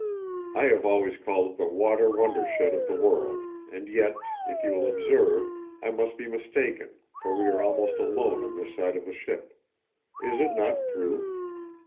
I have always called it the water wonderland of the world, and yet, if you will observe, I must be mistaken—for we are almost alone on this side of the ship. Is it not proof?